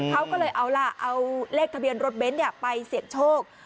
เขาก็เลยเอาล่ะเอาเลขทะเบียนรถเบ้นไปเสี่ยงโชค